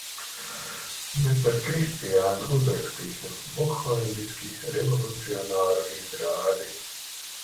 Mēs ar Kristiānu uzrakstīsim bohēmiski revolucionāru izrādi!